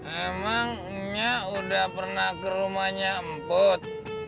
emangnya udah pernah ke rumah nyemput